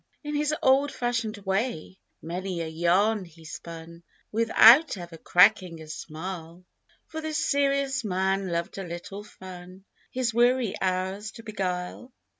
'' In his old fashioned way, many a "yarn he spun," Without ever "cracking" a smile, For this serious man loved a little fun, His weary hours to beguile.